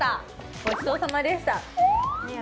ごちそうさまでした。